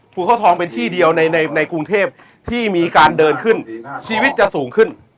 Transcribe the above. ภูเขาทองเป็นที่เดียวในกรุงเทพที่มีการเดินขึ้นชีวิตจะสูงขึ้น